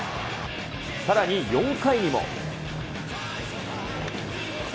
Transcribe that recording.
さらに４回にも。